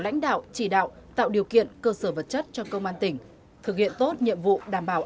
lãnh đạo chỉ đạo tạo điều kiện cơ sở vật chất cho công an tỉnh thực hiện tốt nhiệm vụ đảm bảo